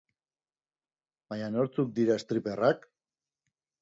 Baina nortzuk dira streperrak?